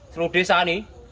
seluruh desa ini